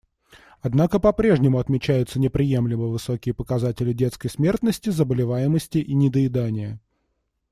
Однако попрежнему отмечаются неприемлемо высокие показатели детской смертности, заболеваемости и недоедания.